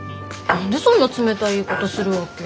何でそんな冷たい言い方するわけ？